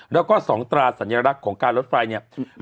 แล้วก็๒ตราสัญลักษณ์ของการรถไฟเนี่ย